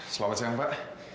selamat siang pak